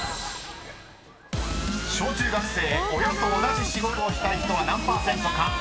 ［小中学生親と同じ仕事をしたい人は何％か］